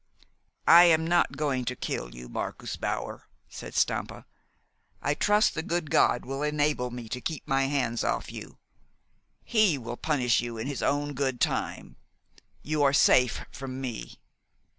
"I am not going to kill you, Marcus Bauer," said Stampa. "I trust the good God will enable me to keep my hands off you. He will punish you in His own good time. You are safe from me."